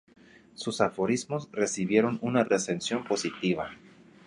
Sus aforismos recibieron una recensión positiva.